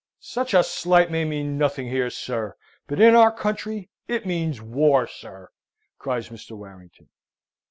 "Such a slight may mean nothing here, sir, but in our country it means war, sir!" cries Mr. Warrington.